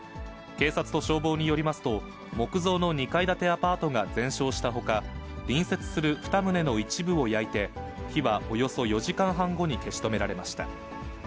警察と消防によりますと、木造の２階建てアパートが全焼したほか、隣接する２棟の一部を焼いて、火はおよそ４時間半後に消し止められました。